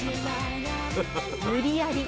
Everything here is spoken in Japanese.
無理やり。